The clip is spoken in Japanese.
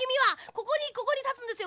ここにここにたつんですよ